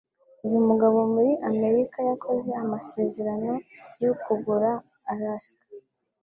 uyu mugabo muri Amerika yakoze amasezerano yo kugura Alaska